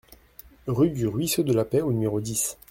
Rue du Ruisseau de la Paix au numéro dix